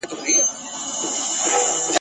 زما له قامه څخه هیري افسانې کړې د قرنونو !.